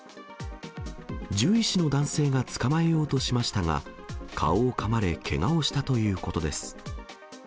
獣医師の男性が捕まえようとしましたが、顔をかまれ、けがをしたということです。